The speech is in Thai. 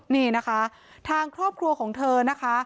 นี่นะคะทางครอบครัวของเธอนะคะ